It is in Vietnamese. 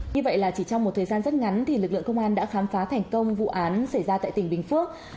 như vậy là chỉ trong một thời gian rất ngắn lực lượng công an đã khám phá thành công vụ án xảy ra tại tỉnh bình phước